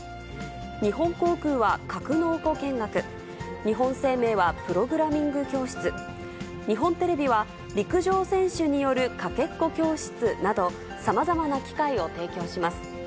日本航空は格納庫見学、日本生命はプログラミング教室、日本テレビは陸上選手によるかけっこ教室など、さまざまな機会を提供します。